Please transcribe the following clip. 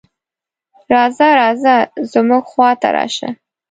"راځه راځه زموږ خواته راشه".